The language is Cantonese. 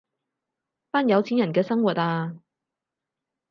班有錢人嘅生活啊